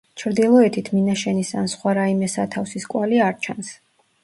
ჩრდილოეთით მინაშენის ან სხვა რაიმე სათავსის კვალი არ ჩანს.